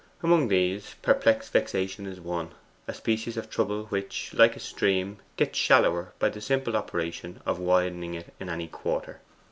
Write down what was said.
Among these, perplexed vexation is one a species of trouble which, like a stream, gets shallower by the simple operation of widening it in any quarter.